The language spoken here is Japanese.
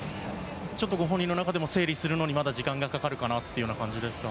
ちょっと、ご本人の中でも整理するのにまだ時間がかかるかなという感じですか。